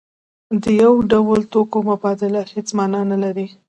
د یو ډول توکو مبادله هیڅ مانا نلري.